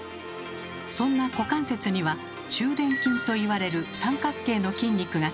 そんな股関節には中臀筋と言われる三角形の筋肉がついています。